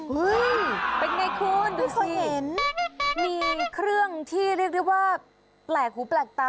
เป็นไงคุณดูเคยเห็นมีเครื่องที่เรียกได้ว่าแปลกหูแปลกตา